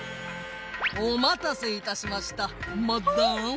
おまたせいたしましたマダム。